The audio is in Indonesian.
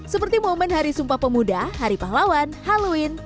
seperti momen hari sumpah pemuda hari pahlawan halloween